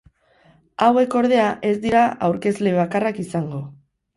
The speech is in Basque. Hauek, ordea, ez dira aurkezle bakarrak izango.